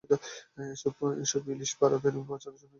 এসব ইলিশ ভারতে পাচারের জন্য নিয়ে যাওয়া হচ্ছিল বলে বিজিবি জানায়।